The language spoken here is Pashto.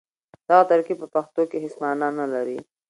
دغه ترکيب په پښتو کې هېڅ مانا نه لري.